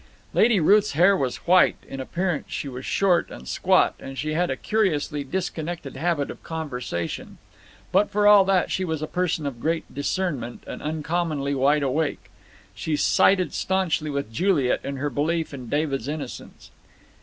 Lady Ruth's hair was white, in appearance she was short and squat, and she had a curiously disconnected habit of conversation, but for all that she was a person of great discernment, and uncommonly wide awake. She sided staunchly with Juliet in her belief in David's innocence.